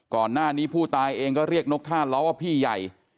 ก่อนหน้านี้ผู้ตายเองก็เรียกนกท่าล้อว่าพี่ใหญ่